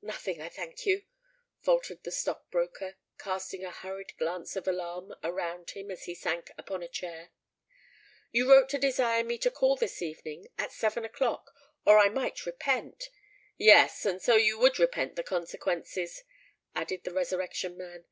"Nothing, I thank you," faltered the stock broker, casting a hurried glance of alarm around him as he sank upon a chair. "You wrote to desire me to call this evening—at seven o'clock—or I might repent——" "Yes—and so you would repent the consequences," added the Resurrection Man.